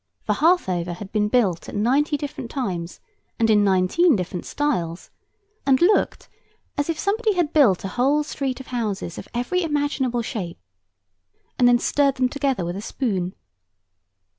For Harthover had been built at ninety different times, and in nineteen different styles, and looked as if somebody had built a whole street of houses of every imaginable shape, and then stirred them together with a spoon.